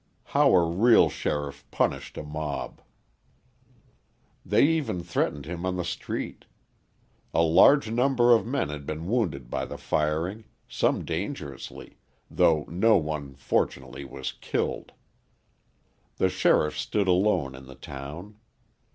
How a Real Sheriff Punished a Mob They even threatened him on the street. A large number of men had been wounded by the firing, some dangerously, though no one, fortunately, was killed. The sheriff stood alone in the town.